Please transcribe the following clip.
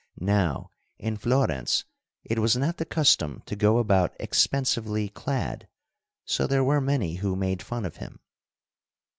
Now, in Florence it was not the custom to go about expensively clad, so there were many who made fun of him.